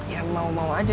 ya mau mau aja